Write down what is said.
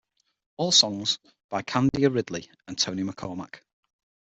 All songs by Candia Ridley and Tony McKormack.